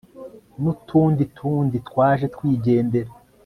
n'utundi tundi twaje twigendera